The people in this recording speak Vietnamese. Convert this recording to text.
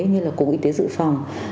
như là cục y tế dự phòng